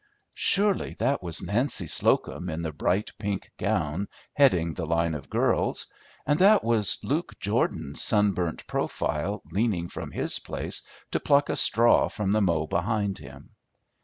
Surely that was Nancy Slocum in the bright pink gown heading the line of girls, and that was Luke Jordan's sunburnt profile leaning from his place to pluck a straw from the mow behind him.